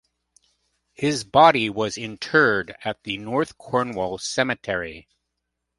His body was interred at the North Cornwall Cemetery.